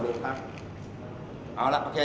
มันเป็นสิ่งที่เราไม่รู้สึกว่า